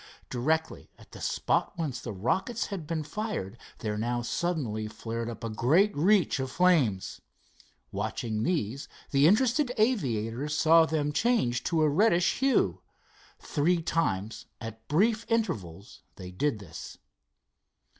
Directly at the spot whence the rockets had been fired there now suddenly flared up a great reach of flames. Watching these, the interested aviators saw them change to a reddish hue. Three times, at brief intervals, they did this.